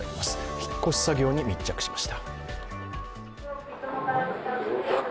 引っ越し作業に密着しました。